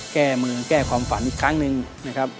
แก้มือแก้ความฝันอีกครั้งหนึ่งนะครับ